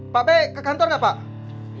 pak b ke kantor gak pak